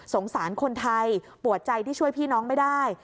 สารคนไทยปวดใจที่ช่วยพี่น้องไม่ได้